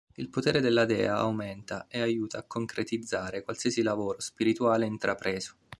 Il potere della Dea aumenta, e aiuta a concretizzare qualsiasi lavoro spirituale intrapreso.